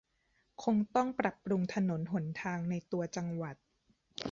คงต้องปรับปรุงถนนหนทางในตัวจังหวัด